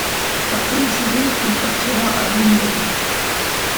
Après une saison, il partira à l'Unión.